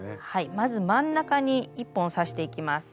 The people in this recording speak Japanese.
まず真ん中に１本刺していきます。